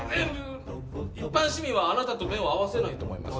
一般市民はあなたと目を合わせないと思います。